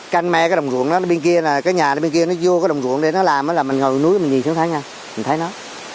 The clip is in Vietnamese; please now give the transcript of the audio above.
căn me cái đồng ruộng đó bên kia cái nhà bên kia nó vô cái đồng ruộng để nó làm mình ngồi ở núi mình nhìn xuống thấy nha mình thấy nó